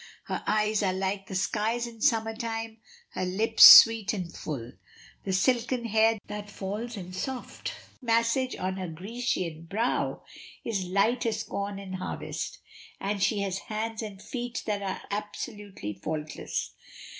Her eyes are like the skies in summer time, her lips sweet and full. The silken hair that falls in soft masses on her Grecian brow is light as corn in harvest, and she has hands and feet that are absolutely faultless.